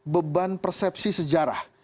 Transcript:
beban persepsi sejarah